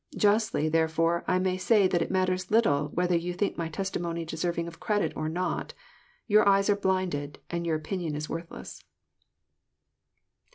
Justly, therefore, I may say that it matters little whether you think my testimony deserving of credit or not. Your eyes are blinded, and your opinion is worthless."